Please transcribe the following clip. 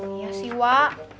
iya sih wak